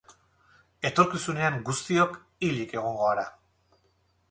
Etorkizunean guztiok hilik egongo gara.